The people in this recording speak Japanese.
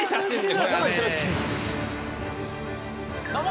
どうも。